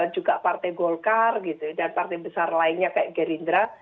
juga partai golkar gitu dan partai besar lainnya kayak gerindra